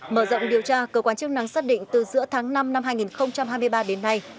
mở rộng điều tra cơ quan chức năng xác định từ giữa tháng năm năm hai nghìn hai mươi ba đến nay